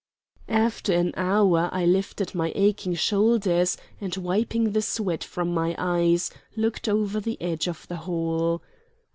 After another hour I lifted my aching shoulders and, wiping the sweat from my eyes, looked over the edge of the hole.